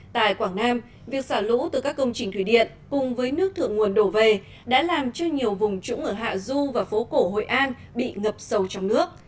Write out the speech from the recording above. tại quảng nam việc xả lũ từ các công trình thủy điện cùng với nước thượng nguồn đổ về đã làm cho nhiều vùng trũng ở hạ du và phố cổ hội an bị ngập sâu trong nước